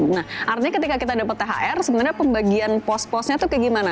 nah artinya ketika kita dapat thr sebenarnya pembagian pos posnya tuh kayak gimana